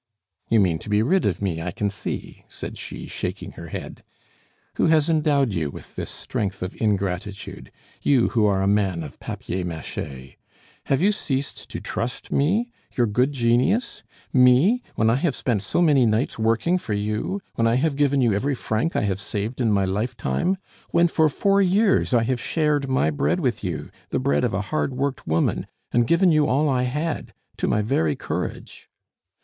"You mean to be rid of me, I can see," said she, shaking her head. "Who has endowed you with this strength of ingratitude you who are a man of papier mache? Have you ceased to trust me your good genius? me, when I have spent so many nights working for you when I have given you every franc I have saved in my lifetime when for four years I have shared my bread with you, the bread of a hard worked woman, and given you all I had, to my very courage."